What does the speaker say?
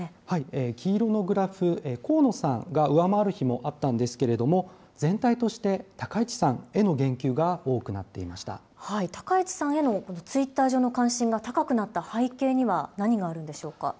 黄色のグラフ、河野さんが上回る日もあったんですけれども、全体として高市さんへの言及が多高市さんへのツイッター上での関心が高くなった背景には、何があるんでしょうか。